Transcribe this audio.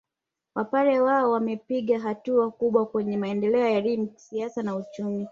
Wapare nao wamepiga hatua kubwa kwenye maendeleo ya elimu siasa na uchumi